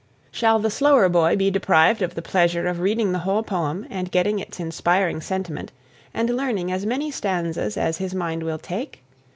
Shall the slower boy be deprived of the pleasure of reading the whole poem and getting its inspiring sentiment and learning as many stanzas as his mind will take?